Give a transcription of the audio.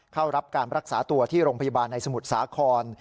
เข้ารับการรักษาตัวที่โรงพยาบาลในสมุทรสาคร